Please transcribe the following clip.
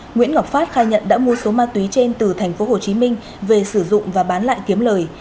nguyễn ngọc phát khai nhận đã mua số ma túy trên từ tp hcm về sử dụng và bán lại kiếm lời